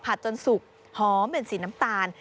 ผัดจนสุกหอมเหมือนสีน้ำตาล